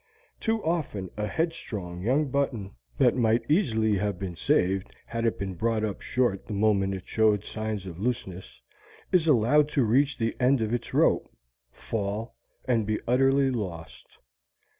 Too often a headstrong young button, that might easily have been saved had it been brought up short the moment it showed signs of looseness, is allowed to reach the end of its rope, fall, and be utterly lost.